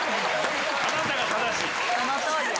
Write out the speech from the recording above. あなたが正しい。